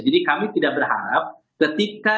jadi kami tidak berharap ketika